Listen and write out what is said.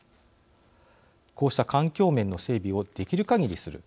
こうした環境面の整備をできるかぎりする。